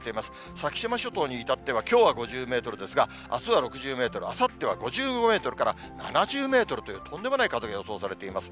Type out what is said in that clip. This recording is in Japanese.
先島諸島に至っては、きょうは５０メートルですが、あすは６０メートル、あさっては５５メートルから７０メートルという、とんでもない風が予想されています。